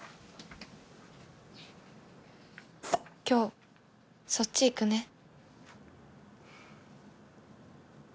「今日、そっち行くね」。